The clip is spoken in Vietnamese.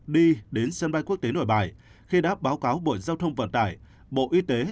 đi đến sân bay quốc tế nội bài khi đã báo cáo bộ giao thông vận tải bộ y tế